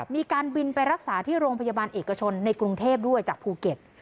มีการบินไปรักษาที่โรงพยาบาลเอกชนในกรุงเทพด้วยจากภูเก็ต